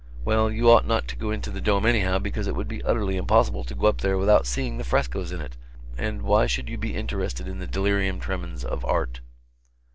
Well, you ought not to go into the dome anyhow, because it would be utterly impossible to go up there without seeing the frescoes in it and why should you be interested in the delirium tremens of art?